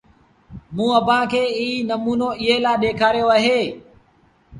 موٚنٚ اڀآنٚ کي ايٚ نموݩو ايٚئي لآ ڏيکآريو اهي